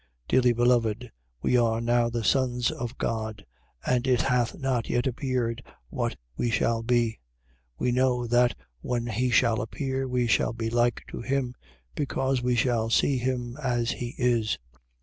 3:2. Dearly beloved, we are now the sons of God: and it hath not yet appeared what we shall be. We know that when he shall appear we shall be like to him: because we shall see him as he is.